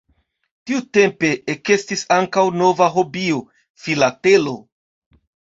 Tiutempe ekestis ankaŭ nova hobio: Filatelo.